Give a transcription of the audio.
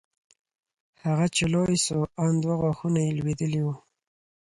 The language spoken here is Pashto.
هغه چې لوى سو ان دوه غاښونه يې لوېدلي وو.